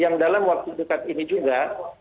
yang dalam waktu dekat ini juga